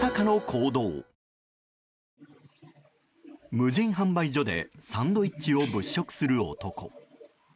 無人販売所でサンドイッチを物色する男。